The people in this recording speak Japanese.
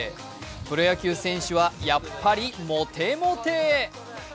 プロ野球選手はやっぱりモテモテ。